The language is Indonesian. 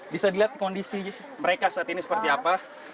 bisa dilihat kondisi mereka saat ini seperti apa